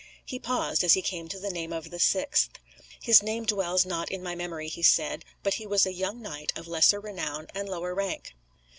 He paused as he came to the name of the sixth. "His name dwells not in my memory," he said; "but he was a young knight of lesser renown and lower rank."